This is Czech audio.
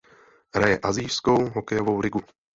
Hraje Asijskou hokejovou ligu.